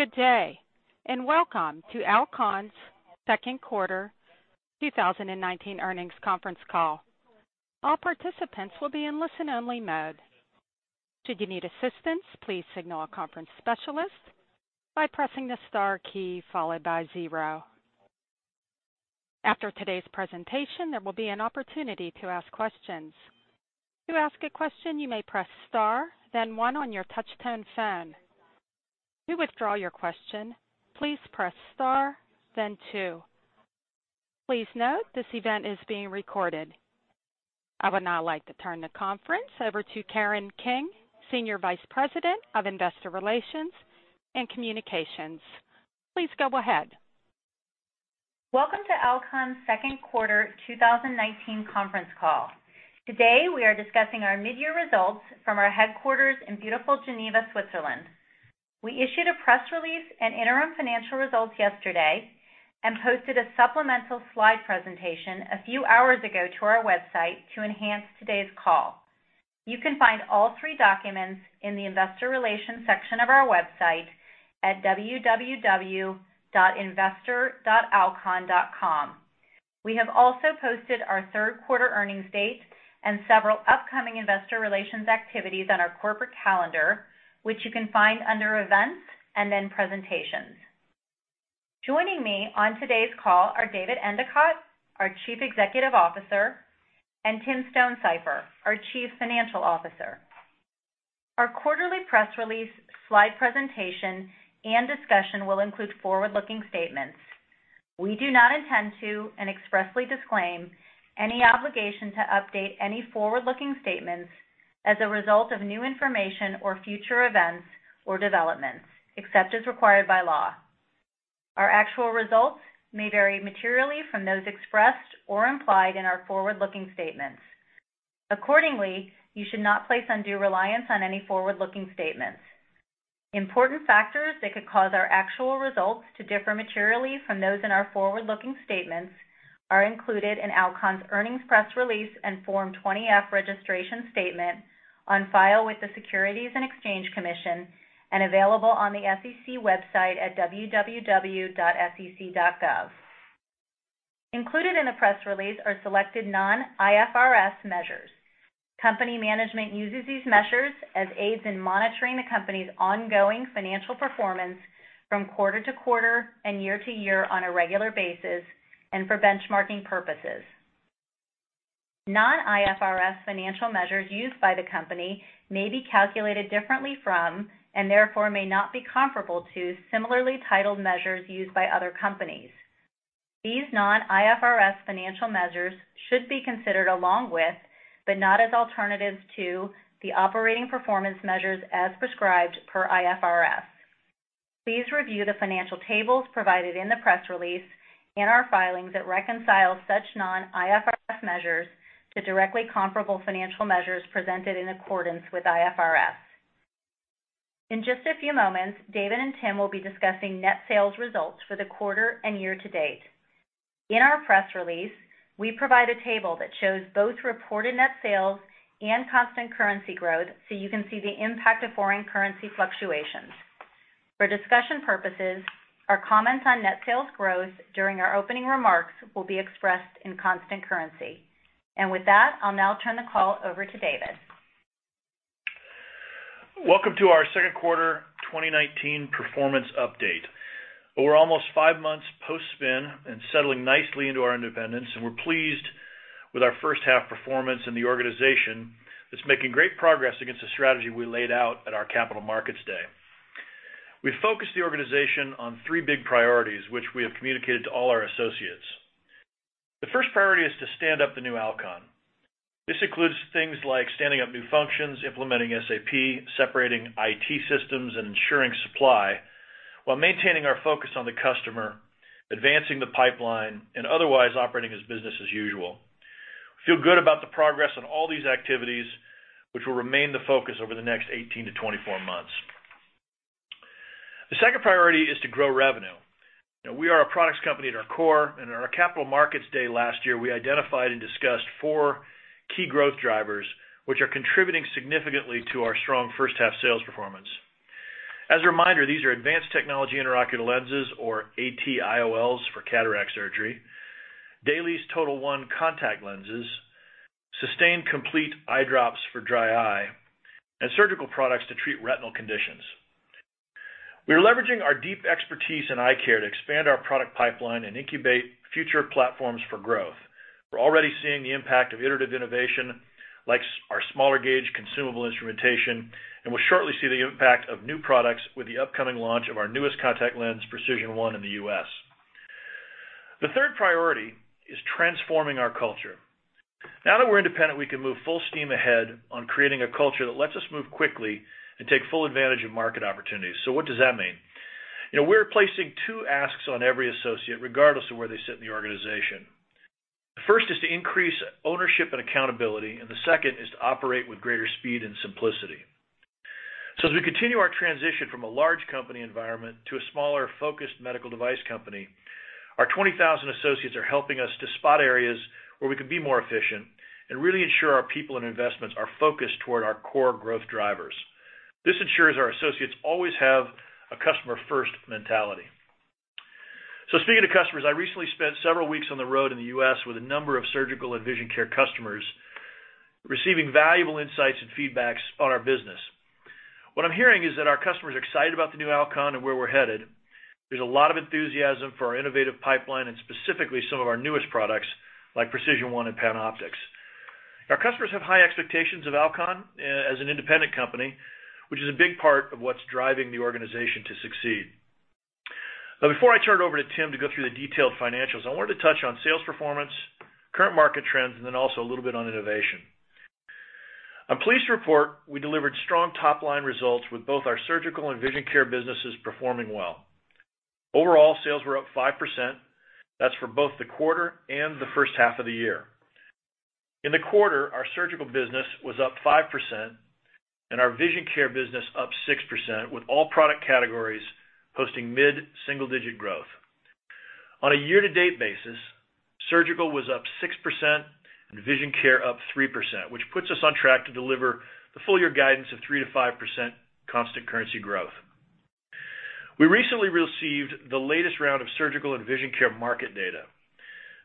Good day, welcome to Alcon's second quarter 2019 earnings conference call. All participants will be in listen only mode. Should you need assistance, please signal a conference specialist by pressing the star key followed by zero. After today's presentation, there will be an opportunity to ask questions. To ask a question, you may press star, then one on your touch-tone phone. To withdraw your question, please press star, then two. Please note, this event is being recorded. I would now like to turn the conference over to Karen King, Senior Vice President of Investor Relations and Communications. Please go ahead. Welcome to Alcon's second quarter 2019 conference call. Today, we are discussing our mid-year results from our headquarters in beautiful Geneva, Switzerland. We issued a press release and interim financial results yesterday and posted a supplemental slide presentation a few hours ago to our website to enhance today's call. You can find all three documents in the investor relations section of our website at www.investor.alcon.com. We have also posted our third quarter earnings date and several upcoming investor relations activities on our corporate calendar, which you can find under events, and then presentations. Joining me on today's call are David Endicott, our Chief Executive Officer, and Tim Stonesifer, our Chief Financial Officer. Our quarterly press release slide presentation and discussion will include forward-looking statements. We do not intend to and expressly disclaim any obligation to update any forward-looking statements as a result of new information or future events or developments, except as required by law. Our actual results may vary materially from those expressed or implied in our forward-looking statements. Accordingly, you should not place undue reliance on any forward-looking statements. Important factors that could cause our actual results to differ materially from those in our forward-looking statements are included in Alcon's earnings press release and Form 20-F registration statement on file with the Securities and Exchange Commission and available on the SEC website at www.sec.gov. Included in the press release are selected non-IFRS measures. Company management uses these measures as aids in monitoring the company's ongoing financial performance from quarter to quarter and year to year on a regular basis and for benchmarking purposes. Non-IFRS financial measures used by the company may be calculated differently from, and therefore may not be comparable to similarly titled measures used by other companies. These non-IFRS financial measures should be considered along with, but not as alternatives to, the operating performance measures as prescribed per IFRS. Please review the financial tables provided in the press release in our filings that reconcile such non-IFRS measures to directly comparable financial measures presented in accordance with IFRS. In just a few moments, David and Tim will be discussing net sales results for the quarter and year to date. In our press release, we provide a table that shows both reported net sales and constant currency growth so you can see the impact of foreign currency fluctuations. For discussion purposes, our comments on net sales growth during our opening remarks will be expressed in constant currency. With that, I'll now turn the call over to David. Welcome to our second quarter 2019 performance update. We're almost five months post-spin and settling nicely into our independence, and we're pleased with our first half performance in the organization that's making great progress against the strategy we laid out at our Capital Markets Day. We focused the organization on three big priorities, which we have communicated to all our associates. The first priority is to stand up the new Alcon. This includes things like standing up new functions, implementing SAP, separating IT systems, and ensuring supply, while maintaining our focus on the customer, advancing the pipeline, and otherwise operating as business as usual. Feel good about the progress on all these activities, which will remain the focus over the next 18-24 months. The second priority is to grow revenue. We are a products company at our core, and at our Capital Markets Day last year, we identified and discussed four key growth drivers, which are contributing significantly to our strong first half sales performance. As a reminder, these are Advanced Technology Intraocular Lenses, or AT-IOLs, for cataract surgery, DAILIES TOTAL1 contact lenses, Systane Complete eye drops for dry eye, and surgical products to treat retinal conditions. We are leveraging our deep expertise in eye care to expand our product pipeline and incubate future platforms for growth. We're already seeing the impact of iterative innovation, like our smaller gauge consumable instrumentation, and we'll shortly see the impact of new products with the upcoming launch of our newest contact lens PRECISION1 in the U.S. The third priority is transforming our culture. Now that we're independent, we can move full steam ahead on creating a culture that lets us move quickly and take full advantage of market opportunities. What does that mean? We're placing two asks on every associate, regardless of where they sit in the organization. The first is to increase ownership and accountability, and the second is to operate with greater speed and simplicity. As we continue our transition from a large company environment to a smaller, focused medical device company. Our 20,000 associates are helping us to spot areas where we can be more efficient and really ensure our people and investments are focused toward our core growth drivers. This ensures our associates always have a customer-first mentality. Speaking of customers, I recently spent several weeks on the road in the U.S. with a number of surgical and vision care customers, receiving valuable insights and feedbacks on our business. What I'm hearing is that our customers are excited about the new Alcon and where we're headed. There's a lot of enthusiasm for our innovative pipeline and specifically some of our newest products like PRECISION1 and PanOptix. Our customers have high expectations of Alcon as an independent company, which is a big part of what's driving the organization to succeed. Before I turn it over to Tim to go through the detailed financials, I wanted to touch on sales performance, current market trends, and then also a little bit on innovation. I'm pleased to report we delivered strong top-line results with both our surgical and vision care businesses performing well. Overall, sales were up 5%. That's for both the quarter and the first half of the year. In the quarter, our surgical business was up 5% and our vision care business up 6%, with all product categories hosting mid-single-digit growth. On a year-to-date basis, surgical was up 6% and vision care up 3%, which puts us on track to deliver the full-year guidance of 3%-5% constant currency growth. We recently received the latest round of surgical and vision care market data.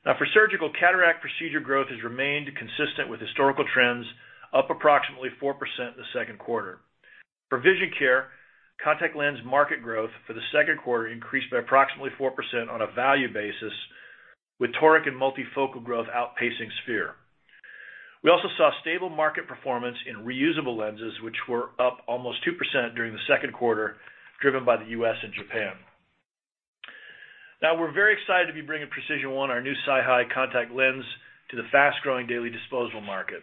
For surgical, cataract procedure growth has remained consistent with historical trends, up approximately 4% in the second quarter. For vision care, contact lens market growth for the second quarter increased by approximately 4% on a value basis, with toric and multifocal growth outpacing sphere. We also saw stable market performance in reusable lenses, which were up almost 2% during the second quarter, driven by the U.S. and Japan. We're very excited to be bringing PRECISION1, our new SiHy contact lens, to the fast-growing daily disposal market.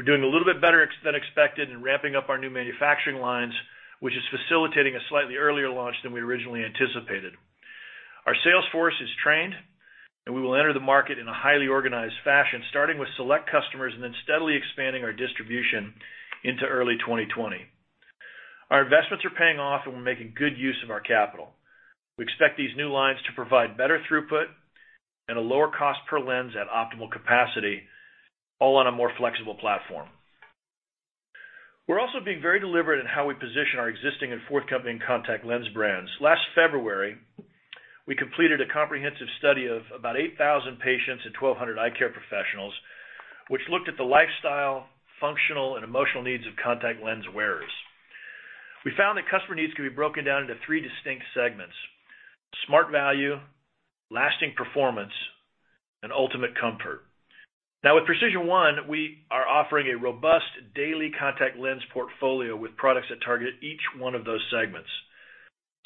We're doing a little bit better than expected in ramping up our new manufacturing lines, which is facilitating a slightly earlier launch than we originally anticipated. Our sales force is trained, and we will enter the market in a highly organized fashion, starting with select customers and then steadily expanding our distribution into early 2020. Our investments are paying off, and we're making good use of our capital. We expect these new lines to provide better throughput and a lower cost per lens at optimal capacity, all on a more flexible platform. We're also being very deliberate in how we position our existing and forthcoming contact lens brands. Last February, we completed a comprehensive study of about 8,000 patients and 1,200 eye care professionals, which looked at the lifestyle, functional, and emotional needs of contact lens wearers. We found that customer needs can be broken down into three distinct segments: smart value, lasting performance, and ultimate comfort. With PRECISION1, we are offering a robust daily contact lens portfolio with products that target each one of those segments.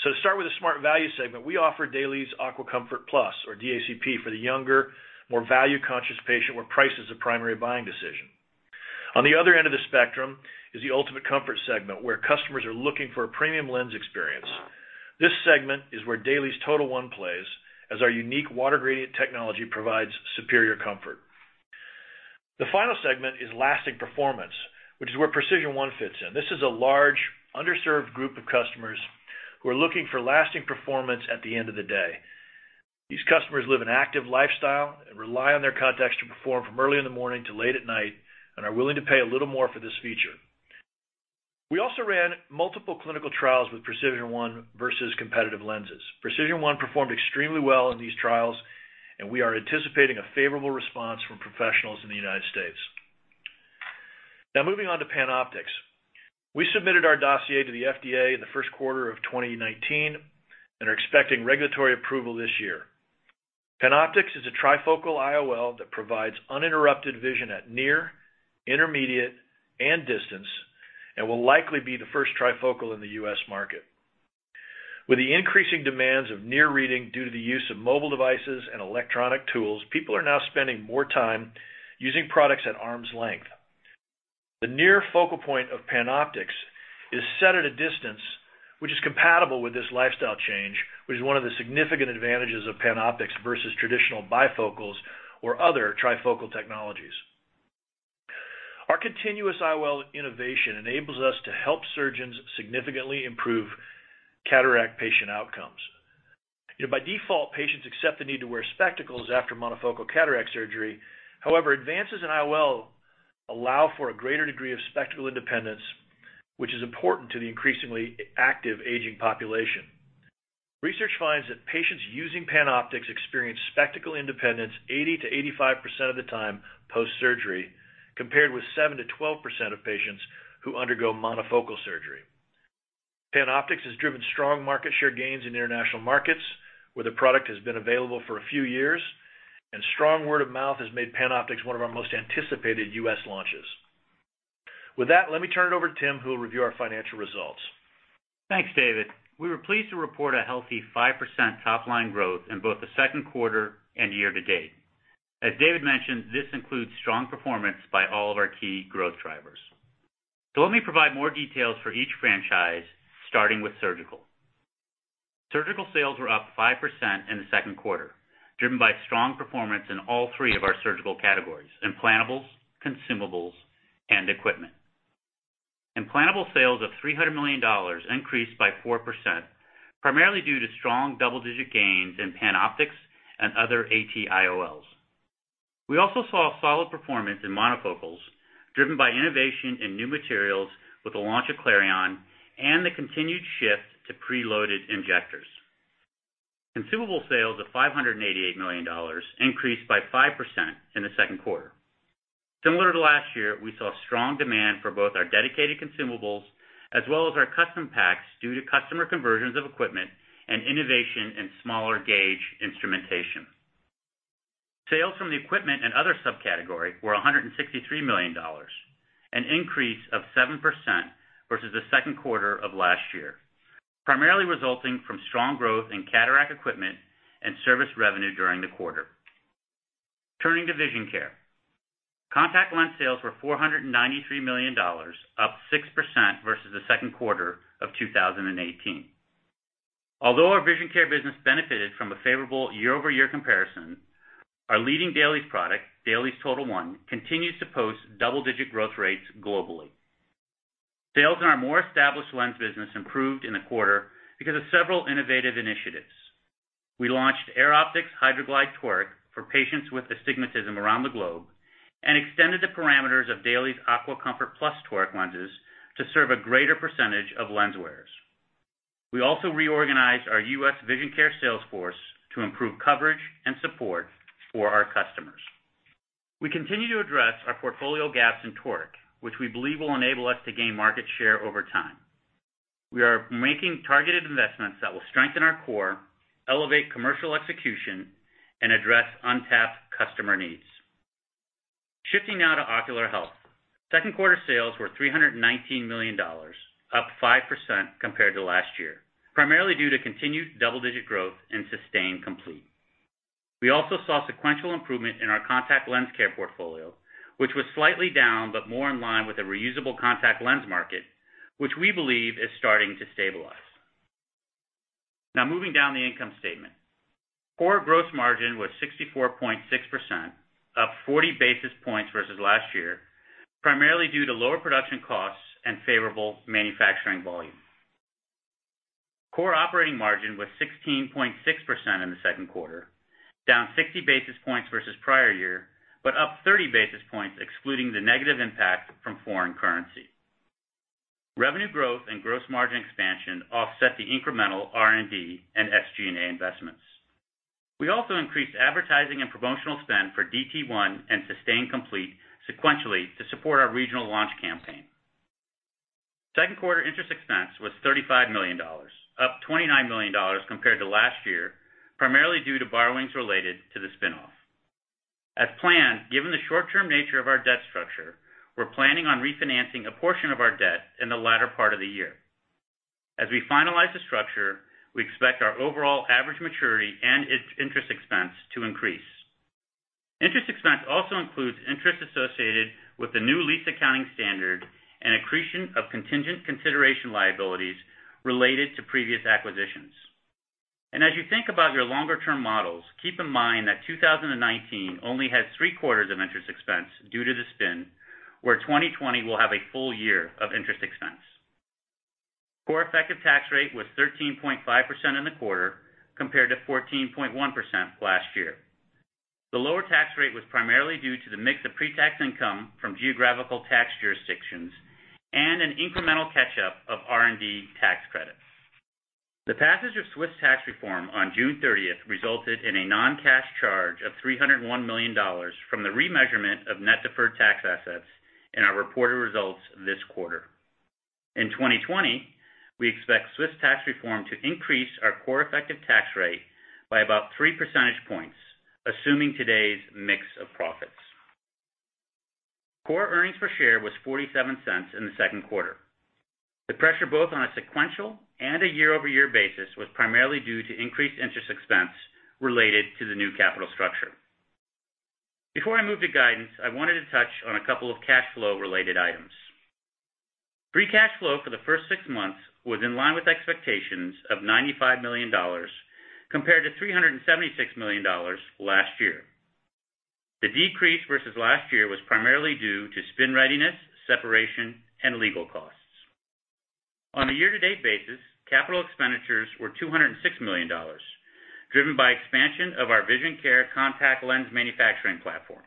To start with the smart value segment, we offer DAILIES AquaComfort Plus, or DACP, for the younger, more value-conscious patient, where price is a primary buying decision. On the other end of the spectrum is the ultimate comfort segment, where customers are looking for a premium lens experience. This segment is where DAILIES TOTAL1 plays, as our unique water gradient technology provides superior comfort. The final segment is lasting performance, which is where PRECISION1 fits in. This is a large, underserved group of customers who are looking for lasting performance at the end of the day. These customers live an active lifestyle and rely on their contacts to perform from early in the morning to late at night and are willing to pay a little more for this feature. We also ran multiple clinical trials with PRECISION1 versus competitive lenses. PRECISION1 performed extremely well in these trials, and we are anticipating a favorable response from professionals in the U.S. Now moving on to PanOptix. We submitted our dossier to the FDA in the first quarter of 2019 and are expecting regulatory approval this year. PanOptix is a trifocal IOL that provides uninterrupted vision at near, intermediate, and distance and will likely be the first trifocal in the U.S. market. With the increasing demands of near reading due to the use of mobile devices and electronic tools, people are now spending more time using products at arm's length. The near focal point of PanOptix is set at a distance which is compatible with this lifestyle change, which is one of the significant advantages of PanOptix versus traditional bifocals or other trifocal technologies. Our continuous IOL innovation enables us to help surgeons significantly improve cataract patient outcomes. By default, patients accept the need to wear spectacles after monofocal cataract surgery. However, advances in IOL allow for a greater degree of spectacle independence, which is important to the increasingly active aging population. Research finds that patients using PanOptix experience spectacle independence 80%-85% of the time post-surgery, compared with 7%-12% of patients who undergo monofocal surgery. PanOptix has driven strong market share gains in international markets where the product has been available for a few years, and strong word of mouth has made PanOptix one of our most anticipated U.S. launches. With that, let me turn it over to Tim, who will review our financial results. Thanks, David. We were pleased to report a healthy 5% top-line growth in both the second quarter and year to date. As David mentioned, this includes strong performance by all of our key growth drivers. Let me provide more details for each franchise, starting with Surgical. Surgical sales were up 5% in the second quarter, driven by strong performance in all three of our surgical categories: implantables, consumables, and equipment. Implantable sales of $300 million increased by 4%, primarily due to strong double-digit gains in PanOptix and other AT-IOLs. We also saw solid performance in monofocals, driven by innovation in new materials with the launch of Clareon and the continued shift to preloaded injectors. Consumable sales of $588 million increased by 5% in the second quarter. Similar to last year, we saw strong demand for both our dedicated consumables as well as our custom packs due to customer conversions of equipment and innovation in smaller gauge instrumentation. Sales from the equipment and other subcategory were $163 million, an increase of 7% versus the second quarter of last year, primarily resulting from strong growth in cataract equipment and service revenue during the quarter. Turning to Vision Care. Contact lens sales were $493 million, up 6% versus the second quarter of 2018. Although our Vision Care business benefited from a favorable year-over-year comparison, our leading dailies product, DAILIES TOTAL1, continues to post double-digit growth rates globally. Sales in our more established lens business improved in the quarter because of several innovative initiatives. We launched AIR OPTIX HydraGlyde Toric for patients with astigmatism around the globe and extended the parameters of DAILIES AquaComfort Plus Toric lenses to serve a greater percentage of lens wearers. We also reorganized our U.S. vision care sales force to improve coverage and support for our customers. We continue to address our portfolio gaps in Toric, which we believe will enable us to gain market share over time. We are making targeted investments that will strengthen our core, elevate commercial execution, and address untapped customer needs. Shifting now to ocular health. Second quarter sales were $319 million, up 5% compared to last year, primarily due to continued double-digit growth and Systane Complete. We also saw sequential improvement in our contact lens care portfolio, which was slightly down but more in line with the reusable contact lens market, which we believe is starting to stabilize. Moving down the income statement. Core gross margin was 64.6%, up 40 basis points versus last year, primarily due to lower production costs and favorable manufacturing volume. Core operating margin was 16.6% in the second quarter, down 60 basis points versus prior year, but up 30 basis points excluding the negative impact from foreign currency. Revenue growth and gross margin expansion offset the incremental R&D and SG&A investments. We also increased advertising and promotional spend for DT1 and Systane Complete sequentially to support our regional launch campaign. Second quarter interest expense was $35 million, up $29 million compared to last year, primarily due to borrowings related to the spinoff. As planned, given the short-term nature of our debt structure, we're planning on refinancing a portion of our debt in the latter part of the year. As we finalize the structure, we expect our overall average maturity and its interest expense to increase. Interest expense also includes interest associated with the new lease accounting standard and accretion of contingent consideration liabilities related to previous acquisitions. As you think about your longer-term models, keep in mind that 2019 only has 3 quarters of interest expense due to the spin, where 2020 will have a full year of interest expense. Core effective tax rate was 13.5% in the quarter, compared to 14.1% last year. The lower tax rate was primarily due to the mix of pre-tax income from geographical tax jurisdictions and an incremental catch-up of R&D tax credits. The passage of Swiss tax reform on June 30th resulted in a non-cash charge of $301 million from the remeasurement of net deferred tax assets in our reported results this quarter. In 2020, we expect Swiss tax reform to increase our core effective tax rate by about three percentage points, assuming today's mix of profits. Core earnings per share was $0.47 in the second quarter. The pressure both on a sequential and a year-over-year basis was primarily due to increased interest expense related to the new capital structure. Before I move to guidance, I wanted to touch on a couple of cash flow related items. Free cash flow for the first six months was in line with expectations of $95 million, compared to $376 million last year. The decrease versus last year was primarily due to spin readiness, separation, and legal costs. On a year-to-date basis, capital expenditures were $206 million, driven by expansion of our vision care contact lens manufacturing platform.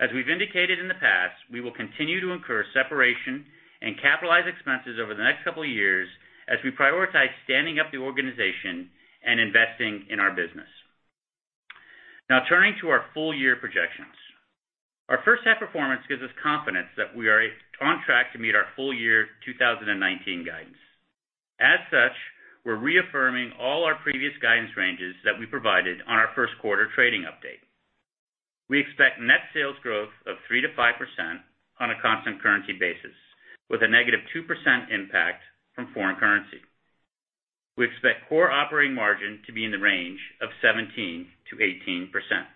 As we've indicated in the past, we will continue to incur separation and capitalize expenses over the next couple of years as we prioritize standing up the organization and investing in our business. Now turning to our full year projections. Our first half performance gives us confidence that we are on track to meet our full year 2019 guidance. As such, we're reaffirming all our previous guidance ranges that we provided on our first quarter trading update. We expect net sales growth of 3% to 5% on a constant currency basis, with a -2% impact from foreign currency. We expect core operating margin to be in the range of 17% to 18%.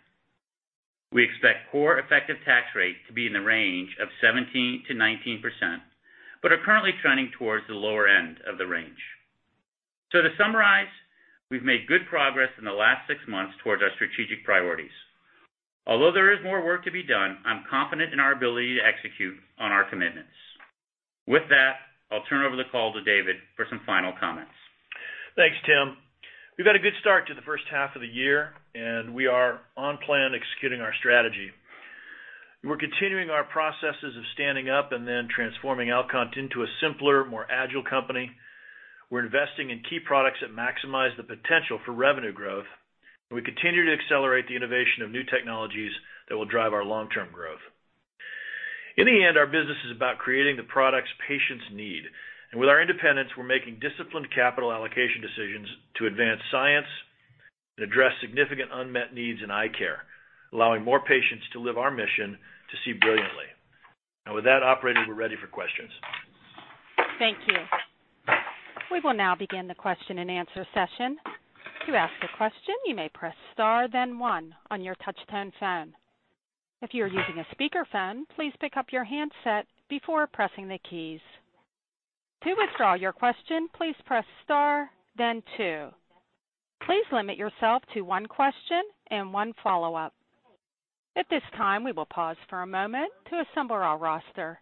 We expect core effective tax rate to be in the range of 17%-19%, but are currently trending towards the lower end of the range. To summarize, we've made good progress in the last six months towards our strategic priorities. Although there is more work to be done, I'm confident in our ability to execute on our commitments. With that, I'll turn over the call to David for some final comments. Thanks, Tim. We've had a good start to the first half of the year, and we are on plan executing our strategy. We're continuing our processes of standing up and then transforming Alcon into a simpler, more agile company. We're investing in key products that maximize the potential for revenue growth, and we continue to accelerate the innovation of new technologies that will drive our long-term growth. In the end, our business is about creating the products patients need. With our independence, we're making disciplined capital allocation decisions to advance science and address significant unmet needs in eye care, allowing more patients to live our mission to see brilliantly. Now with that operator, we're ready for questions. Thank you. We will now begin the question and answer session. To ask a question, you may press star, then one on your touch-tone phone. If you are using a speakerphone, please pick up your handset before pressing the keys. To withdraw your question, please press star, then two. Please limit yourself to one question and one follow-up. At this time, we will pause for a moment to assemble our roster.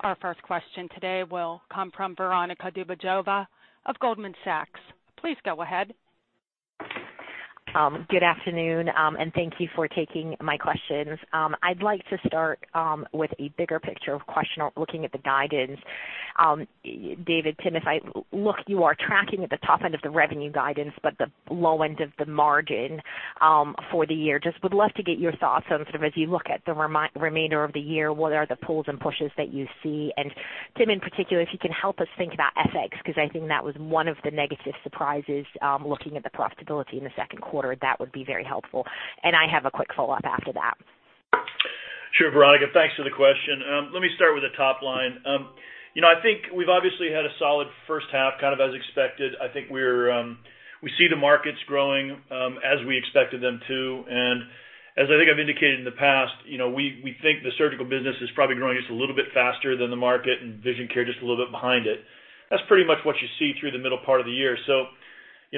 Our first question today will come from Veronika Dubajova of Goldman Sachs. Please go ahead. Good afternoon. Thank you for taking my questions. I'd like to start with a bigger picture question looking at the guidance. David, Tim, if I look, you are tracking at the top end of the revenue guidance, but the low end of the margin for the year. Just would love to get your thoughts on sort of as you look at the remainder of the year, what are the pulls and pushes that you see? Tim, in particular, if you can help us think about FX, because I think that was one of the negative surprises, looking at the profitability in the second quarter. That would be very helpful. I have a quick follow-up after that. Sure, Veronika, thanks for the question. Let me start with the top line. I think we've obviously had a solid first half, kind of as expected. I think we see the markets growing, as we expected them to. As I think I've indicated in the past, we think the surgical business is probably growing just a little bit faster than the market, and vision care just a little bit behind it. That's pretty much what you see through the middle part of the year.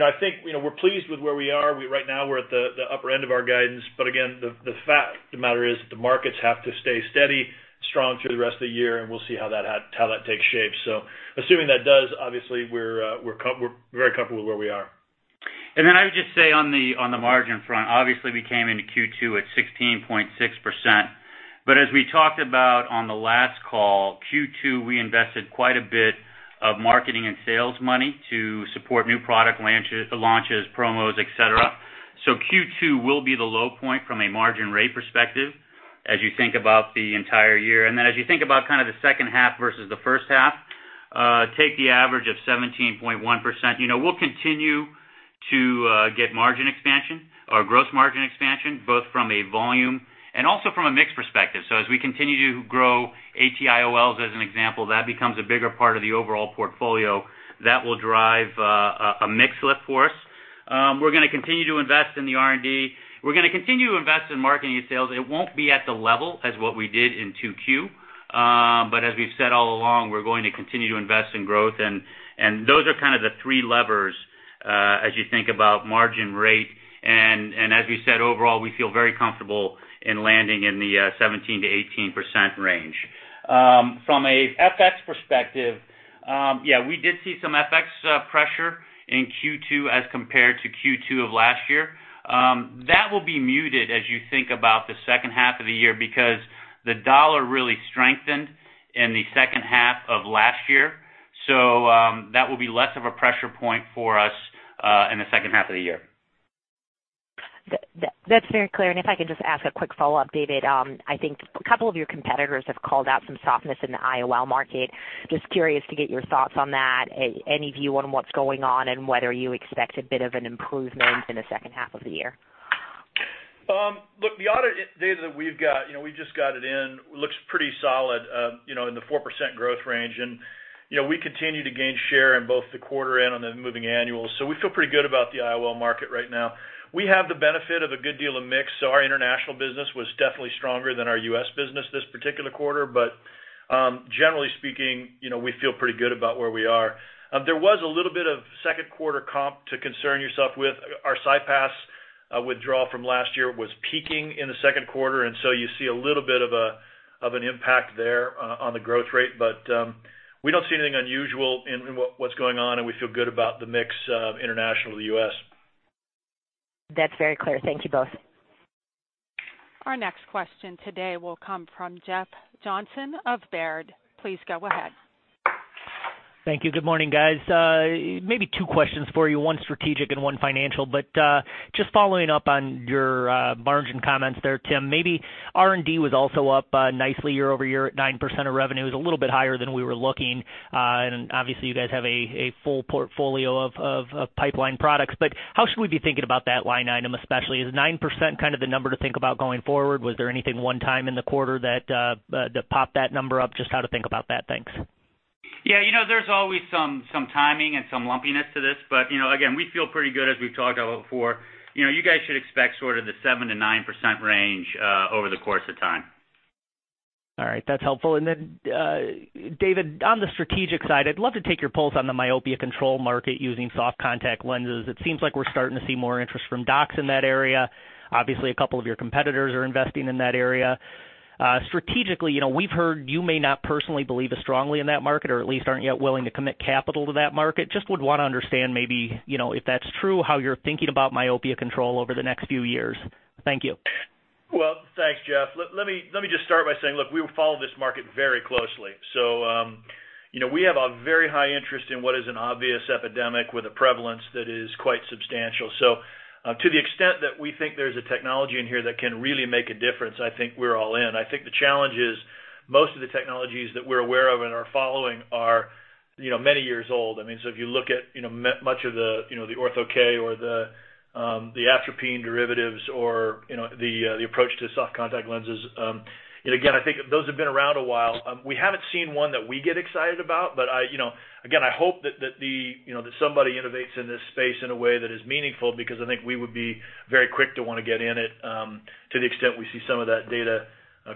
I think we're pleased with where we are. Right now we're at the upper end of our guidance, but again, the fact of the matter is that the markets have to stay steady, strong through the rest of the year, and we'll see how that takes shape. Assuming that does, obviously we're very comfortable with where we are. I would just say on the margin front, obviously we came into Q2 at 16.6%. As we talked about on the last call, Q2, we invested quite a bit of marketing and sales money to support new product launches, promos, et cetera. Q2 will be the low point from a margin rate perspective as you think about the entire year. As you think about kind of the second half versus the first half, take the average of 17.1%. We'll continue to get margin expansion or gross margin expansion, both from a volume and also from a mix perspective. As we continue to grow AT-IOLs, as an example, that becomes a bigger part of the overall portfolio, that will drive a mix lift for us. We're going to continue to invest in the R&D. We're going to continue to invest in marketing and sales. It won't be at the level as what we did in 2Q. As we've said all along, we're going to continue to invest in growth, and those are kind of the three levers, as you think about margin rate. As we said, overall, we feel very comfortable in landing in the 17%-18% range. From a FX perspective, yeah, we did see some FX pressure in Q2 as compared to Q2 of last year. That will be muted as you think about the second half of the year because the dollar really strengthened in the second half of last year. That will be less of a pressure point for us in the second half of the year. That is very clear. If I can just ask a quick follow-up, David, I think a couple of your competitors have called out some softness in the IOL market. Just curious to get your thoughts on that, any view on what is going on, and whether you expect a bit of an improvement in the second half of the year. Look, the audit data we've got, we just got it in, looks pretty solid, in the 4% growth range. We continue to gain share in both the quarter and on the moving annual. We feel pretty good about the IOL market right now. We have the benefit of a good deal of mix, so our international business was definitely stronger than our U.S. business this particular quarter. Generally speaking, we feel pretty good about where we are. There was a little bit of second quarter comp to concern yourself with. Our CyPass withdrawal from last year was peaking in the second quarter, you see a little bit of an impact there on the growth rate. We don't see anything unusual in what's going on, and we feel good about the mix of international to U.S. That's very clear. Thank you both. Our next question today will come from Jeff Johnson of Baird. Please go ahead. Thank you. Good morning, guys. Maybe two questions for you, one strategic and one financial. Just following up on your margin comments there, Tim, R&D was also up nicely year-over-year at 9% of revenue. It was a little bit higher than we were looking. Obviously you guys have a full portfolio of pipeline products. How should we be thinking about that line item especially? Is 9% kind of the number to think about going forward? Was there anything one time in the quarter that popped that number up? Just how to think about that. Thanks. Yeah. There's always some timing and some lumpiness to this, but again, we feel pretty good as we've talked about before. You guys should expect sort of the 7%-9% range over the course of time. All right, that's helpful. David, on the strategic side, I'd love to take your pulse on the myopia control market using soft contact lenses. It seems like we're starting to see more interest from docs in that area. Obviously, a couple of your competitors are investing in that area. Strategically, we've heard you may not personally believe as strongly in that market, or at least aren't yet willing to commit capital to that market. Just would want to understand maybe, if that's true, how you're thinking about myopia control over the next few years. Thank you. Well, thanks, Jeff. Let me just start by saying, look, we follow this market very closely. We have a very high interest in what is an obvious epidemic with a prevalence that is quite substantial. To the extent that we think there's a technology in here that can really make a difference, I think we're all in. I think the challenge is most of the technologies that we're aware of and are following are many years old. If you look at much of the Ortho-K or the atropine derivatives or the approach to soft contact lenses, and again, I think those have been around a while. We haven't seen one that we get excited about, but again, I hope that somebody innovates in this space in a way that is meaningful because I think we would be very quick to want to get in it, to the extent we see some of that data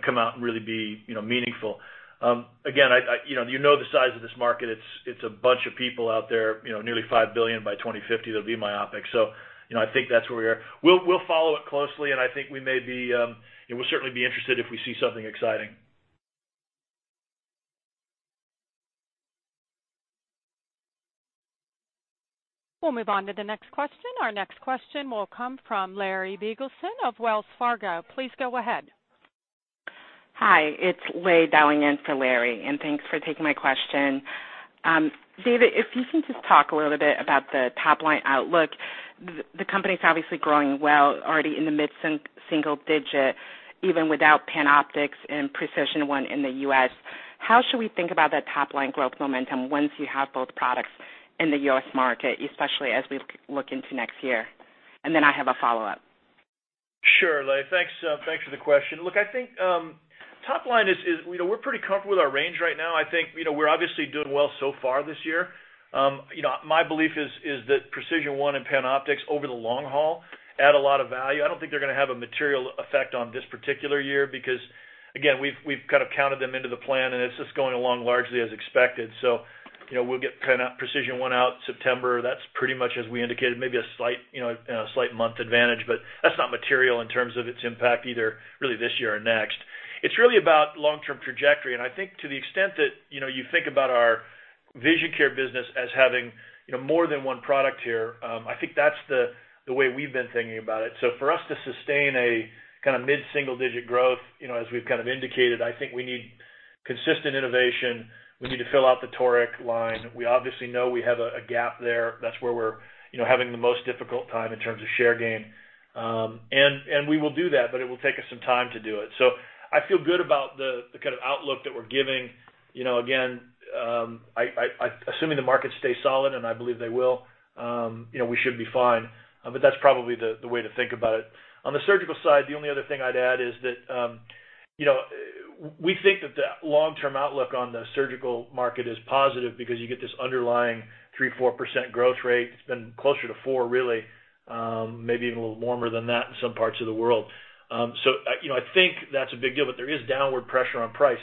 come out and really be meaningful. Again, you know the size of this market. It's a bunch of people out there, nearly 5 billion by 2050, that'll be myopic. I think that's where we are. We'll follow it closely, and we'll certainly be interested if we see something exciting. We'll move on to the next question. Our next question will come from Larry Biegelsen of Wells Fargo. Please go ahead. Hi, it's Lei dialing in for Larry, and thanks for taking my question. David, if you can just talk a little bit about the top-line outlook. The company's obviously growing well, already in the mid-single digit, even without PanOptix and PRECISION1 in the U.S. How should we think about that top-line growth momentum once you have both products in the U.S. market, especially as we look into next year? Then I have a follow-up. Sure, Lei, thanks for the question. Look, I think top line is we're pretty comfortable with our range right now. I think we're obviously doing well so far this year. My belief is that PRECISION1 and PanOptix over the long haul add a lot of value. I don't think they're going to have a material effect on this particular year, because, again, we've kind of counted them into the plan, and it's just going along largely as expected. We'll get PRECISION1 out September. That's pretty much as we indicated, maybe a slight month advantage, but that's not material in terms of its impact either really this year or next. It's really about long-term trajectory, and I think to the extent that you think about our vision care business as having more than one product here, I think that's the way we've been thinking about it. For us to sustain a kind of mid-single-digit growth, as we've kind of indicated, I think we need consistent innovation. We need to fill out the toric line. We obviously know we have a gap there. That's where we're having the most difficult time in terms of share gain. We will do that, but it will take us some time to do it. I feel good about the kind of outlook that we're giving. Again, assuming the markets stay solid, and I believe they will, we should be fine. That's probably the way to think about it. On the surgical side, the only other thing I'd add is that we think that the long-term outlook on the surgical market is positive because you get this underlying 3%, 4% growth rate. It's been closer to 4%, really, maybe even a little warmer than that in some parts of the world. I think that's a big deal. There is downward pressure on price.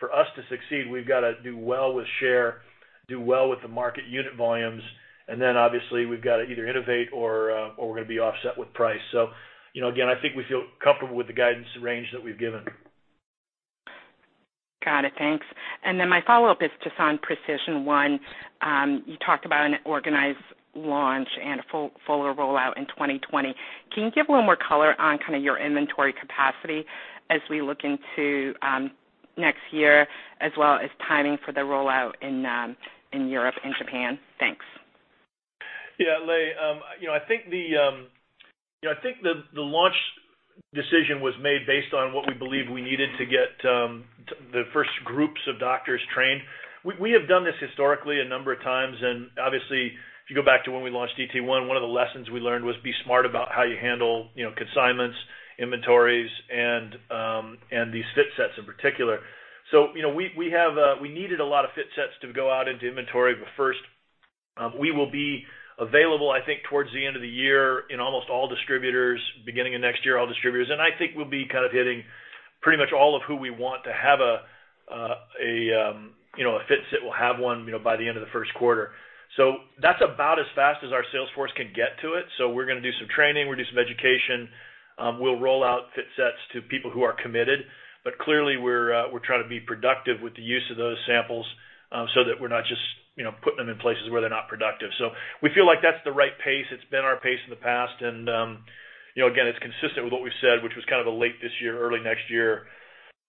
For us to succeed, we've got to do well with share, do well with the market unit volumes, obviously we've got to either innovate or we're going to be offset with price. Again, I think we feel comfortable with the guidance range that we've given. Got it. Thanks. My follow-up is just on PRECISION1. You talked about an organized launch and a fuller rollout in 2020. Can you give a little more color on kind of your inventory capacity as we look into next year, as well as timing for the rollout in Europe and Japan? Thanks. Yeah, Lei, I think the launch decision was made based on what we believed we needed to get the first groups of doctors trained. We have done this historically a number of times, and obviously, if you go back to when we launched DT1, one of the lessons we learned was be smart about how you handle consignments, inventories, and these fit sets in particular. We needed a lot of fit sets to go out into inventory, but first, we will be available, I think, towards the end of the year in almost all distributors, beginning of next year, all distributors. I think we'll be kind of hitting pretty much all of who we want to have a fit set will have one by the end of the first quarter. That's about as fast as our sales force can get to it. We're going to do some training. We'll do some education. We'll roll out fit sets to people who are committed. Clearly, we're trying to be productive with the use of those samples so that we're not just putting them in places where they're not productive. We feel like that's the right pace. It's been our pace in the past. Again, it's consistent with what we've said, which was kind of a late this year, early next year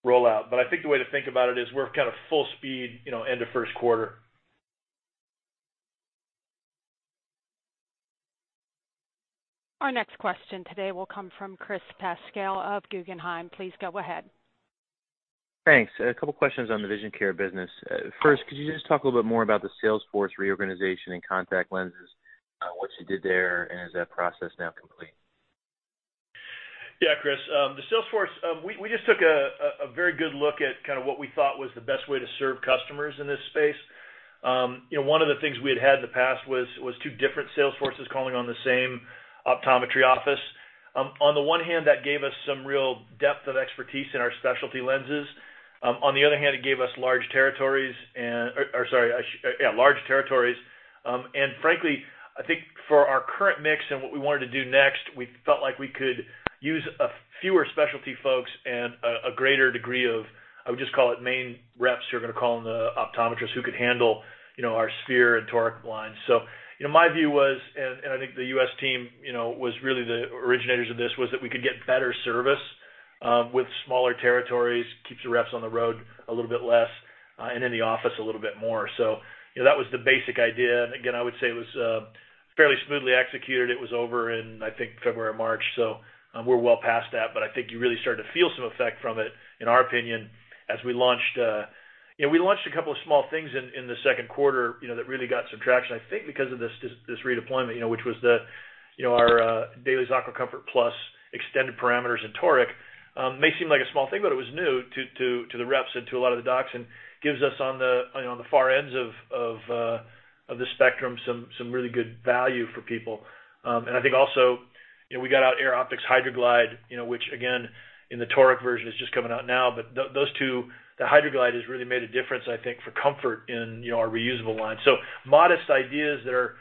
rollout. I think the way to think about it is we're kind of full speed into first quarter. Our next question today will come from Chris Pasquale of Guggenheim. Please go ahead. Thanks. A couple questions on the vision care business. First, could you just talk a little bit more about the sales force reorganization and contact lenses, what you did there, and is that process now complete? Yeah, Chris. The sales force, we just took a very good look at kind of what we thought was the best way to serve customers in this space. On the one hand, that gave us some real depth of expertise in our specialty lenses. On the other hand, it gave us large territories, and frankly, I think for our current mix and what we wanted to do next, we felt like we could use fewer specialty folks and a greater degree of, I would just call it main reps who are going to call on the optometrists who could handle our sphere and toric lines. My view was, and I think the U.S. team was really the originators of this, was that we could get better service with smaller territories, keeps your reps on the road a little bit less, and in the office a little bit more. That was the basic idea. Again, I would say it was fairly smoothly executed. It was over in, I think, February or March, so we're well past that. I think you really started to feel some effect from it, in our opinion, as we launched a couple of small things in the second quarter that really got some traction. I think because of this redeployment, which was our DAILIES AquaComfort Plus extended parameters in toric. May seem like a small thing, but it was new to the reps and to a lot of the docs, and gives us on the far ends of the spectrum, some really good value for people. I think also, we got out AIR OPTIX HydraGlyde, which again, in the toric version, is just coming out now. Those two, the HydraGlyde has really made a difference, I think, for comfort in our reusable line. Modest ideas that are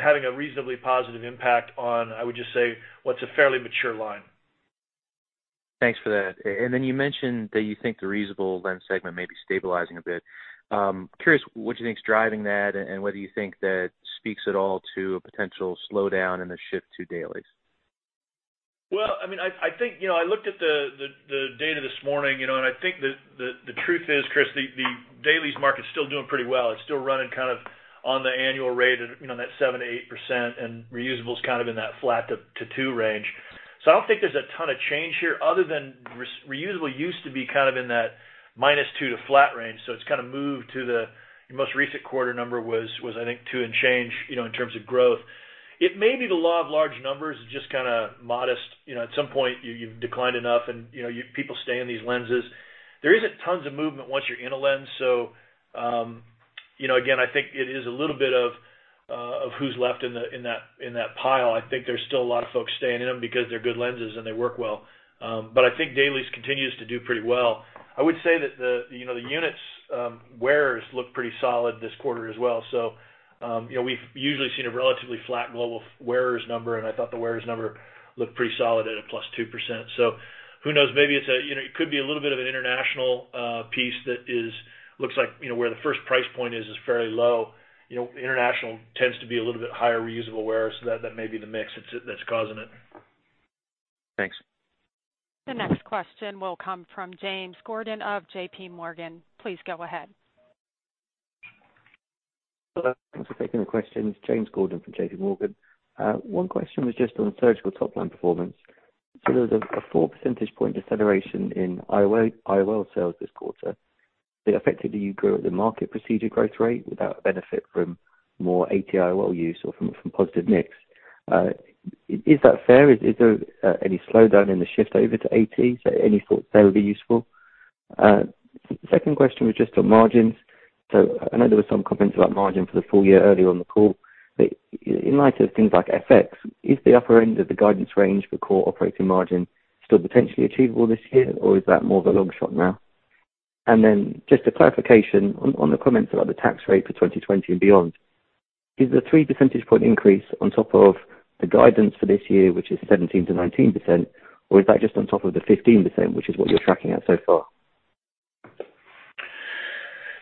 having a reasonably positive impact on, I would just say, what's a fairly mature line. Thanks for that. You mentioned that you think the reusable lens segment may be stabilizing a bit. I'm curious what you think is driving that and whether you think that speaks at all to a potential slowdown in the shift to dailies. I looked at the data this morning, and I think that the truth is, Chris, the dailies market's still doing pretty well. It's still running on the annual rate at 7%-8%, and reusable is kind of in that flat to two range. I don't think there's a ton of change here other than reusable used to be kind of in that minus two to flat range. It's kind of moved to the most recent quarter number was I think two and change, in terms of growth. It may be the law of large numbers is just kind of modest. At some point you've declined enough and people stay in these lenses. There isn't tons of movement once you're in a lens. Again, I think it is a little bit of who's left in that pile. I think there's still a lot of folks staying in them because they're good lenses and they work well. I think DAILIES continues to do pretty well. I would say that the units wearers look pretty solid this quarter as well. We've usually seen a relatively flat global wearers number, and I thought the wearers number looked pretty solid at a plus 2%. Who knows? Maybe it could be a little bit of an international piece that looks like where the first price point is fairly low. International tends to be a little bit higher reusable wearers, so that may be the mix that's causing it. Thanks. The next question will come from James Gordon of JP Morgan. Please go ahead. Hello. Thanks for taking the question. James Gordon from JP Morgan. One question was just on surgical top-line performance. There was a four percentage point deceleration in IOL sales this quarter, but effectively you grew at the market procedure growth rate without benefit from more AT-IOL use or from positive mix. Is that fair? Is there any slowdown in the shift over to AT? Any thoughts there would be useful. Second question was just on margins. I know there were some comments about margin for the full year earlier on the call. In light of things like FX, is the upper end of the guidance range for core operating margin still potentially achievable this year, or is that more of a long shot now? Just a clarification on the comments about the tax rate for 2020 and beyond. Is the three percentage point increase on top of the guidance for this year, which is 17%-19%? Or is that just on top of the 15%, which is what you're tracking at so far?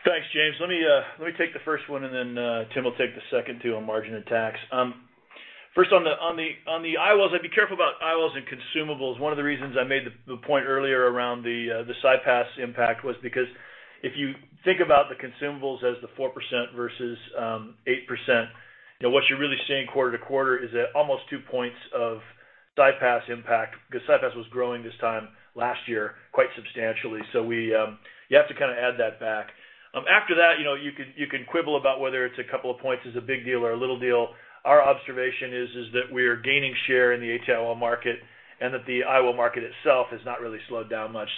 Thanks, James. Let me take the first one and then Tim will take the second two on margin and tax. First on the IOLs, I'd be careful about IOLs and consumables. One of the reasons I made the point earlier around the CyPass impact was because if you think about the consumables as the 4% versus 8%, what you're really seeing quarter-to-quarter is that almost two points of CyPass impact because CyPass was growing this time last year quite substantially. You have to kind of add that back. After that, you can quibble about whether it's a couple of points is a big deal or a little deal. Our observation is that we are gaining share in the AT-IOL market, and that the IOL market itself has not really slowed down much.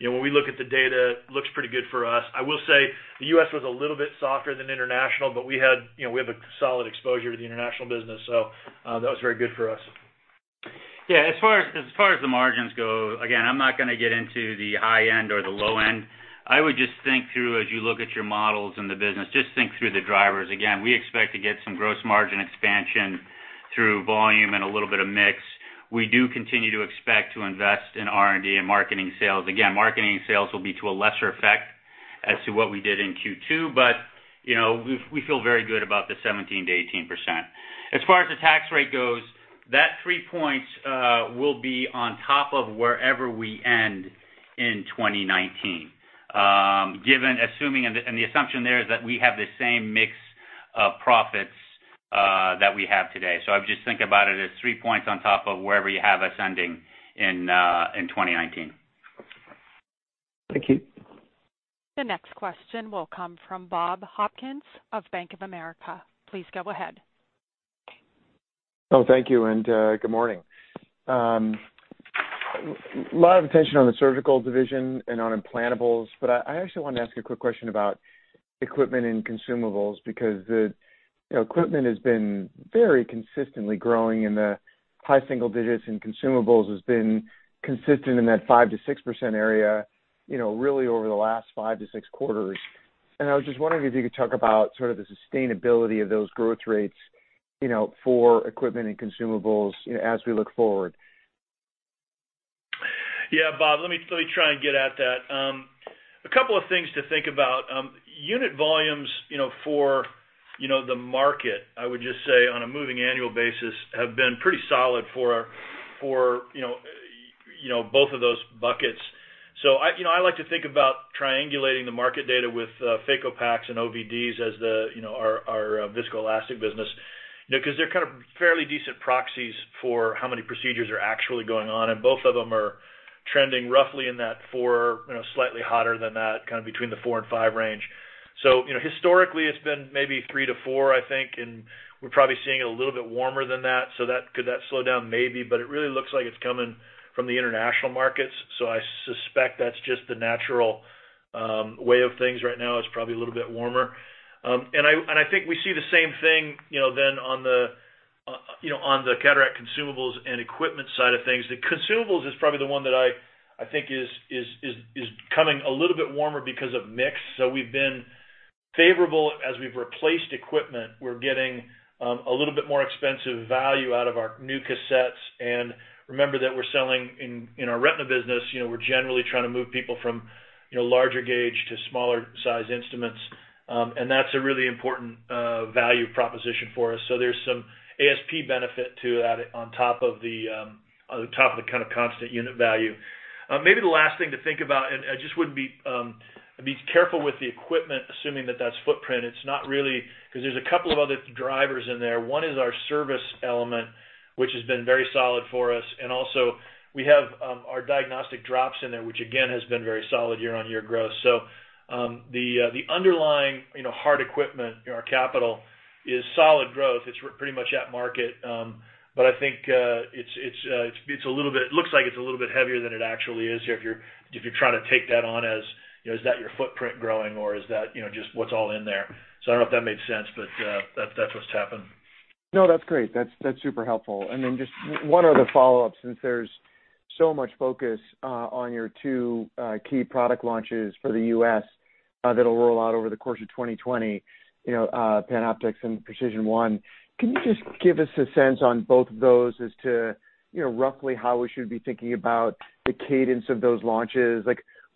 When we look at the data, looks pretty good for us. I will say the U.S. was a little bit softer than international, but we have a solid exposure to the international business. That was very good for us. Yeah. As far as the margins go, I'm not going to get into the high end or the low end. I would just think through, as you look at your models in the business, just think through the drivers. We expect to get some gross margin expansion through volume and a little bit of mix. We do continue to expect to invest in R&D and marketing sales. Marketing and sales will be to a lesser effect as to what we did in Q2, but we feel very good about the 17%-18%. As far as the tax rate goes, that three points will be on top of wherever we end in 2019. The assumption there is that we have the same mix of profits that we have today. I would just think about it as three points on top of wherever you have us ending in 2019. Thank you. The next question will come from Bob Hopkins of Bank of America. Please go ahead. Thank you, good morning. A lot of attention on the surgical division and on implantables. I actually want to ask a quick question about equipment and consumables, because the equipment has been very consistently growing in the high single digits, and consumables has been consistent in that 5%-6% area really over the last five to six quarters. I was just wondering if you could talk about sort of the sustainability of those growth rates for equipment and consumables as we look forward. Bob, let me try and get at that. A couple of things to think about. Unit volumes for the market, I would just say, on a moving annual basis, have been pretty solid for both of those buckets. I like to think about triangulating the market data with phaco packs and OVDs as our viscoelastic business, because they're kind of fairly decent proxies for how many procedures are actually going on, and both of them are trending roughly in that four, slightly hotter than that, kind of between the four and five range. Historically, it's been maybe 3 to 4, I think, and we're probably seeing it a little bit warmer than that. Could that slow down? Maybe, it really looks like it's coming from the international markets. I suspect that's just the natural way of things right now, it's probably a little bit warmer. I think we see the same thing then on the cataract consumables and equipment side of things. The consumables is probably the one that I think is becoming a little bit warmer because of mix. We've been favorable as we've replaced equipment. We're getting a little bit more expensive value out of our new cassettes. Remember that we're selling in our retina business, we're generally trying to move people from larger gauge to smaller size instruments. That's a really important value proposition for us. There's some ASP benefit to that on top of the kind of constant unit value. Maybe the last thing to think about, I just would be careful with the equipment, assuming that that's footprint. It's not really, because there's a couple of other drivers in there. One is our service element, which has been very solid for us. Also we have our diagnostic drops in there, which again, has been very solid year-on-year growth. The underlying hard equipment, our capital, is solid growth. It's pretty much at market. I think it looks like it's a little bit heavier than it actually is if you're trying to take that on as, is that your footprint growing or is that just what's all in there. I don't know if that made sense, but that's what's happened. No, that's great. That's super helpful. Just one other follow-up, since there's so much focus on your two key product launches for the U.S. that'll roll out over the course of 2020, PanOptix and PRECISION1. Can you just give us a sense on both of those as to roughly how we should be thinking about the cadence of those launches?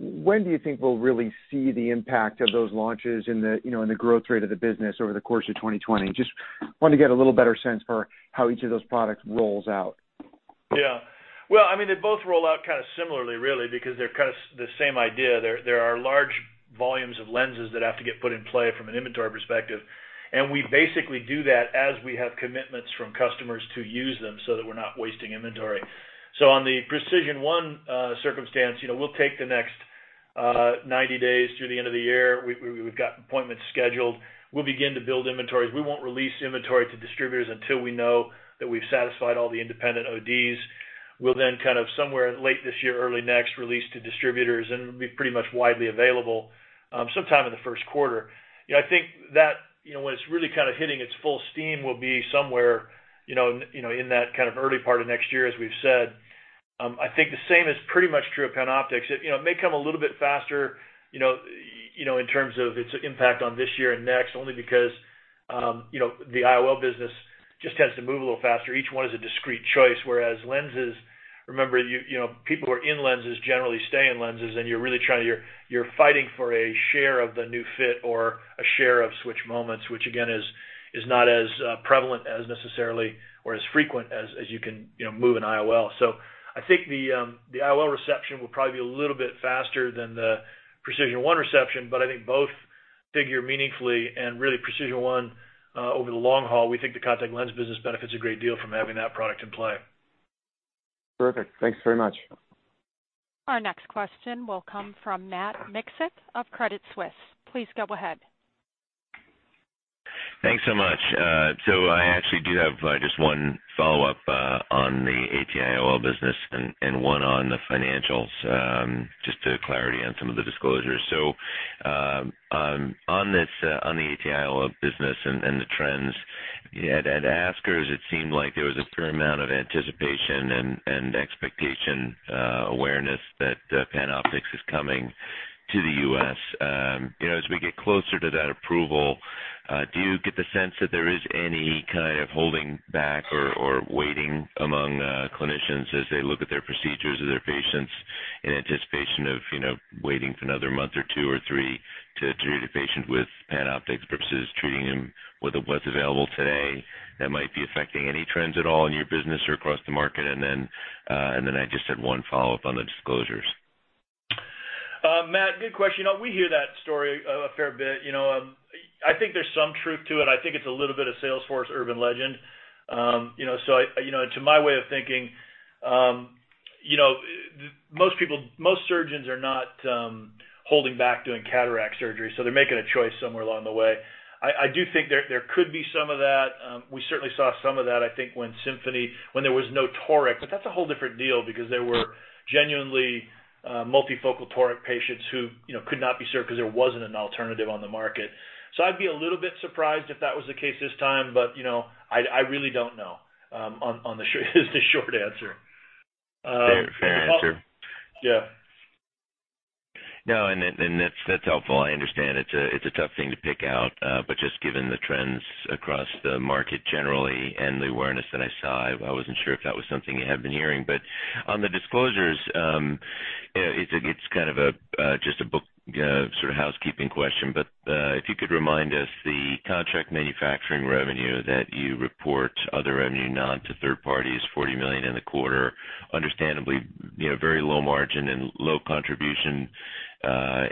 When do you think we'll really see the impact of those launches in the growth rate of the business over the course of 2020? Just want to get a little better sense for how each of those products rolls out. Yeah. Well, they both roll out kind of similarly, really, because they're kind of the same idea. There are large volumes of lenses that have to get put in play from an inventory perspective, and we basically do that as we have commitments from customers to use them so that we're not wasting inventory. On the PRECISION1 circumstance, we'll take the next 90 days through the end of the year. We've got appointments scheduled. We'll begin to build inventories. We won't release inventory to distributors until we know that we've satisfied all the independent ODs. We'll then kind of somewhere late this year, early next, release to distributors, and it'll be pretty much widely available sometime in the first quarter. I think that when it's really kind of hitting its full steam will be somewhere in that kind of early part of next year, as we've said. I think the same is pretty much true of PanOptix. It may come a little bit faster in terms of its impact on this year and next, only because the IOL business just tends to move a little faster. Each one is a discrete choice. Lenses, remember, people who are in lenses generally stay in lenses, and you're fighting for a share of the new fit or a share of switch moments, which again, is not as prevalent as necessarily or as frequent as you can move an IOL. I think the IOL reception will probably be a little bit faster than the PRECISION1 reception, but I think both figure meaningfully and really PRECISION1, over the long haul, we think the contact lens business benefits a great deal from having that product in play. Perfect. Thanks very much. Our next question will come from Matt Miksic of Credit Suisse. Please go ahead. Thanks so much. I actually do have just one follow-up on the AT-IOL business and one on the financials, just to clarify on some of the disclosures. On the AT-IOL business and the trends, at ASCRS, it seemed like there was a fair amount of anticipation and expectation awareness that PanOptix is coming to the U.S. As we get closer to that approval, do you get the sense that there is any kind of holding back or waiting among clinicians as they look at their procedures or their patients in anticipation of waiting for another month or two or three to treat a patient with PanOptix versus treating them with what's available today that might be affecting any trends at all in your business or across the market? I just had one follow-up on the disclosures. Matt, good question. We hear that story a fair bit. I think there's some truth to it. I think it's a little bit of Salesforce urban legend. To my way of thinking, most surgeons are not holding back doing cataract surgery. They're making a choice somewhere along the way. I do think there could be some of that. We certainly saw some of that, I think, when Symfony, when there was no toric, that's a whole different deal because they were genuinely multifocal toric patients who could not be served because there wasn't an alternative on the market. I'd be a little bit surprised if that was the case this time, I really don't know is the short answer. Fair answer. Yeah. No, that's helpful. I understand it's a tough thing to pick out, just given the trends across the market generally and the awareness that I saw, I wasn't sure if that was something you had been hearing. On the disclosures, it's kind of just a book sort of housekeeping question, if you could remind us the contract manufacturing revenue that you report other revenue non to third parties, $40 million in the quarter, understandably, very low margin and low contribution,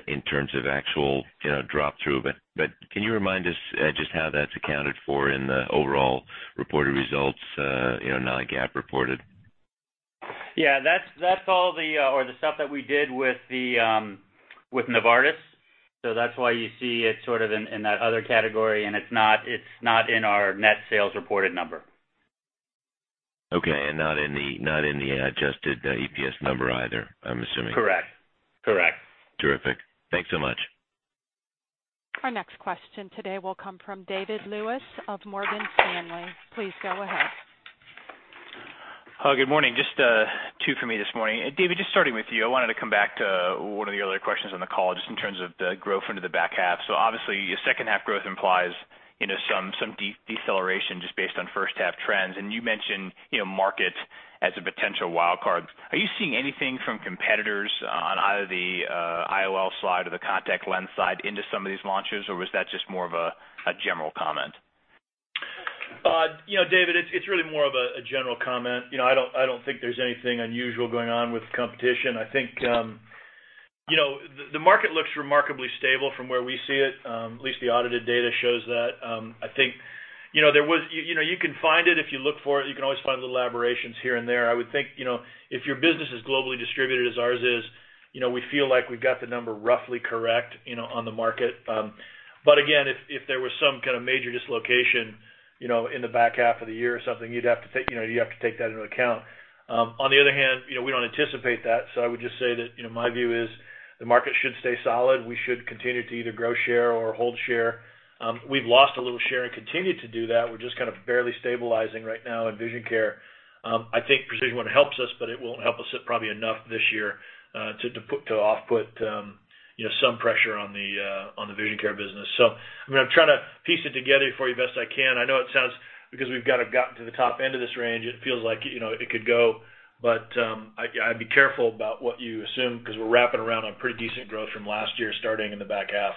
in terms of actual drop-through. Can you remind us just how that's accounted for in the overall reported results, non-GAAP reported? Yeah. That's all the stuff that we did with Novartis. That's why you see it sort of in that other category, and it's not in our net sales reported number. Okay. Not in the adjusted EPS number either, I'm assuming. Correct. Terrific. Thanks so much. Our next question today will come from David Lewis of Morgan Stanley. Please go ahead. Hello, good morning. Just two for me this morning. David, just starting with you. I wanted to come back to one of the other questions on the call, just in terms of the growth into the back half. Obviously, second half growth implies some deceleration just based on first half trends. You mentioned market as a potential wild card. Are you seeing anything from competitors on either the IOL side or the contact lens side into some of these launches, or was that just more of a general comment? David, it's really more of a general comment. I don't think there's anything unusual going on with competition. I think the market looks remarkably stable from where we see it. At least the audited data shows that. You can find it if you look for it. You can always find little aberrations here and there. I would think, if your business is globally distributed as ours is, we feel like we've got the number roughly correct on the market. Again, if there was some kind of major dislocation in the back half of the year or something, you'd have to take that into account. On the other hand, we don't anticipate that. I would just say that, my view is the market should stay solid. We should continue to either grow share or hold share. We've lost a little share and continue to do that. We're just kind of barely stabilizing right now in Vision Care. I think Precision1 helps us, but it won't help us probably enough this year, to offset some pressure on the Vision Care business. I'm going to try to piece it together for you best I can. I know it sounds because we've kind of gotten to the top end of this range, it feels like it could go, but I'd be careful about what you assume, because we're wrapping around on pretty decent growth from last year, starting in the back half.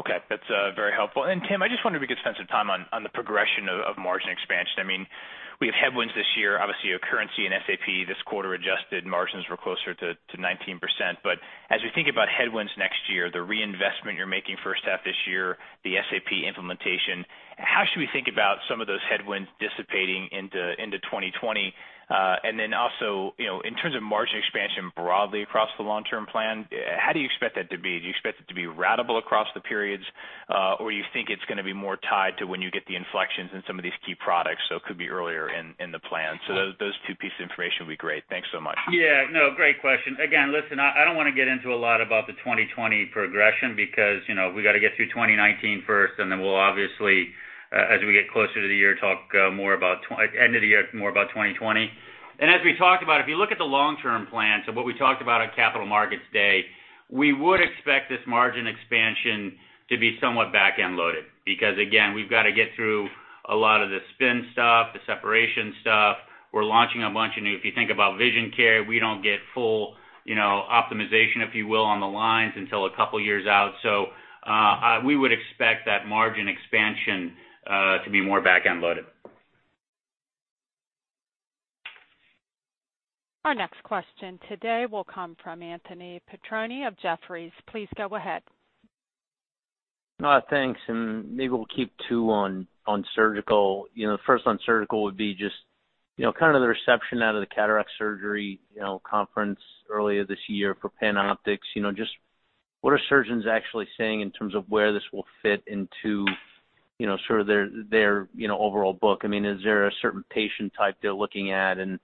Okay. That's very helpful. Tim, I just wondered if we could spend some time on the progression of margin expansion. We have headwinds this year, obviously, currency and SAP this quarter, adjusted margins were closer to 19%, but as we think about headwinds next year, the reinvestment you're making first half this year, the SAP implementation, how should we think about some of those headwinds dissipating into 2020? Also, in terms of margin expansion broadly across the long-term plan, how do you expect that to be? Do you expect it to be ratable across the periods? Or you think it's going to be more tied to when you get the inflections in some of these key products, so it could be earlier in the plan? Those two pieces of information would be great. Thanks so much. Yeah. No, great question. Again, listen, I don't want to get into a lot about the 2020 progression because we got to get through 2019 first. Then we'll obviously, as we get closer to the end of the year, talk more about 2020. As we talked about, if you look at the long-term plan, so what we talked about on Capital Markets Day, we would expect this margin expansion to be somewhat back-end loaded. Again, we've got to get through a lot of the spin stuff, the separation stuff. We're launching a bunch of new, if you think about Vision Care, we don't get full optimization, if you will, on the lines until a couple of years out. We would expect that margin expansion to be more back-end loaded. Our next question today will come from Anthony Petrone of Jefferies. Please go ahead. Thanks. Maybe we'll keep two on surgical. First on surgical would be just kind of the reception out of the cataract surgery conference earlier this year for PanOptix. What are surgeons actually saying in terms of where this will fit into sort of their overall book? Is there a certain patient type they're looking at, and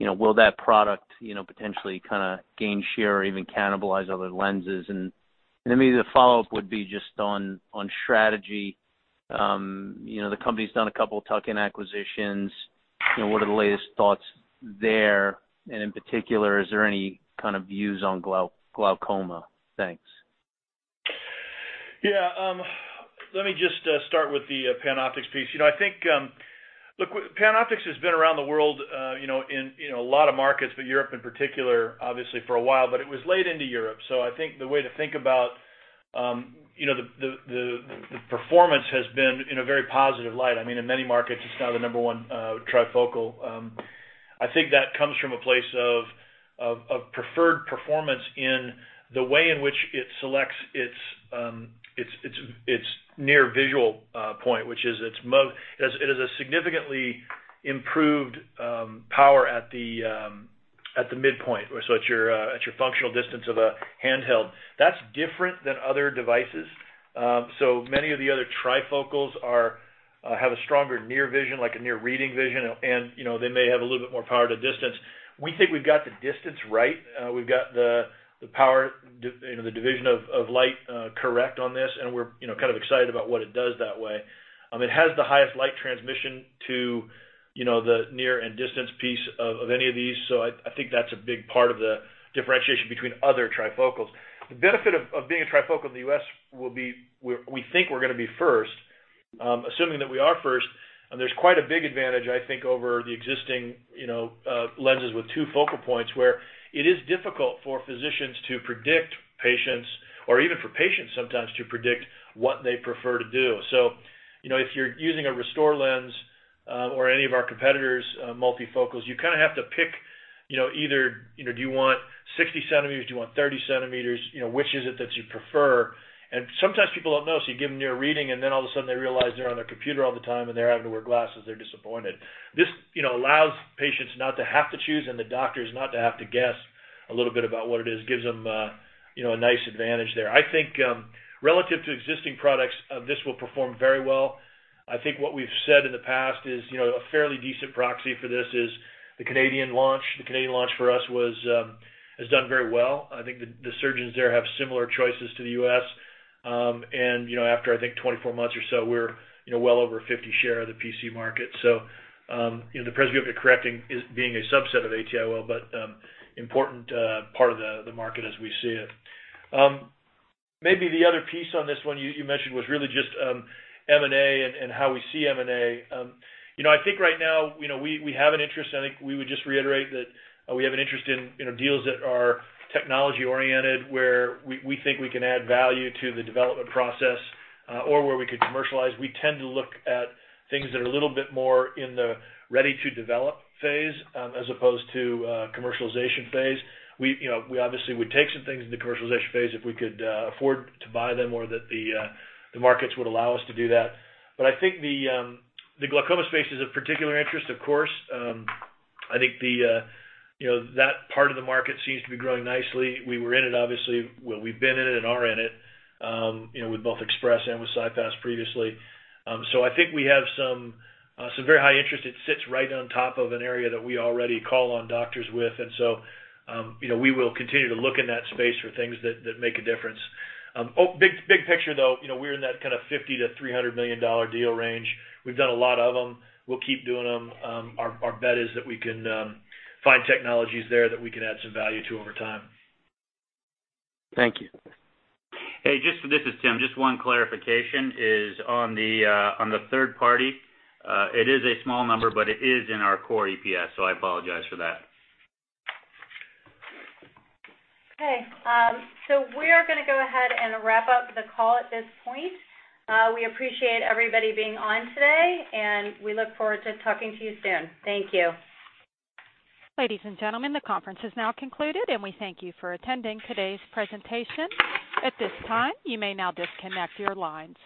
will that product potentially kind of gain share or even cannibalize other lenses? Maybe the follow-up would be just on strategy. The company's done a couple of tuck-in acquisitions. What are the latest thoughts there? In particular, is there any kind of views on glaucoma? Thanks. Let me just start with the PanOptix piece. PanOptix has been around the world in a lot of markets, but Europe in particular, obviously, for a while, but it was late into Europe. I think the way to think about the performance has been in a very positive light. In many markets, it's now the number one trifocal. I think that comes from a place of preferred performance in the way in which it selects its near visual point, which is it has a significantly improved power at the midpoint, so at your functional distance of a handheld. That's different than other devices. Many of the other trifocals have a stronger near vision, like a near reading vision, and they may have a little bit more power to distance. We think we've got the distance right. We've got the division of light correct on this, and we're kind of excited about what it does that way. It has the highest light transmission to the near and distance piece of any of these, so I think that's a big part of the differentiation between other trifocals. The benefit of being a trifocal in the U.S. will be, we think we're going to be first. Assuming that we are first, there's quite a big advantage, I think, over the existing lenses with two focal points, where it is difficult for physicians to predict patients or even for patients sometimes to predict what they prefer to do. If you're using a ReSTOR lens or any of our competitors' multifocals, you kind of have to pick either do you want 60 centimeters, do you want 30 centimeters, which is it that you prefer? Sometimes people don't know, so you give them near reading, then all of a sudden, they realize they're on their computer all the time, and they're having to wear glasses, they're disappointed. This allows patients not to have to choose and the doctors not to have to guess a little bit about what it is, gives them a nice advantage there. I think, relative to existing products, this will perform very well. I think what we've said in the past is a fairly decent proxy for this is the Canadian launch. The Canadian launch for us has done very well. I think the surgeons there have similar choices to the U.S. After, I think, 24 months or so, we're well over 50 share of the PC-IOL market. The presbyopia-correcting is being a subset of AT-IOL, but important part of the market as we see it. Maybe the other piece on this one you mentioned was really just M&A and how we see M&A. I think right now we have an interest, I think we would just reiterate that we have an interest in deals that are technology oriented, where we think we can add value to the development process or where we could commercialize. We tend to look at things that are a little bit more in the ready to develop phase as opposed to commercialization phase. We obviously would take some things in the commercialization phase if we could afford to buy them or that the markets would allow us to do that. I think the glaucoma space is of particular interest, of course. I think that part of the market seems to be growing nicely. We were in it, obviously. We've been in it and are in it with both Ex-PRESS and with CyPass previously. I think we have some very high interest. It sits right on top of an area that we already call on doctors with, we will continue to look in that space for things that make a difference. Big picture, though, we're in that kind of $50 million-$300 million deal range. We've done a lot of them. We'll keep doing them. Our bet is that we can find technologies there that we can add some value to over time. Thank you. Hey, this is Tim. Just one clarification is on the third party. It is a small number, but it is in our core EPS. I apologize for that. Okay. We are going to go ahead and wrap up the call at this point. We appreciate everybody being on today, and we look forward to talking to you soon. Thank you. Ladies and gentlemen, the conference has now concluded. We thank you for attending today's presentation. At this time, you may now disconnect your lines.